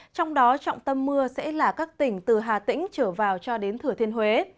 trong đó trọng tâm mưa sẽ là các tỉnh từ hà tĩnh trở vào cho đến thừa thiên huế